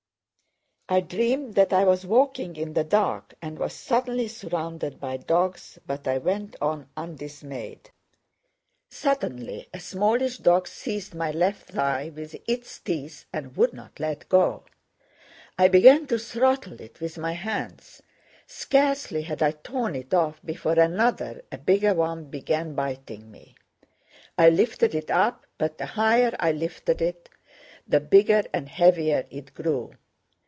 I dreamed that I was walking in the dark and was suddenly surrounded by dogs, but I went on undismayed. Suddenly a smallish dog seized my left thigh with its teeth and would not let go. I began to throttle it with my hands. Scarcely had I torn it off before another, a bigger one, began biting me. I lifted it up, but the higher I lifted it the bigger and heavier it grew.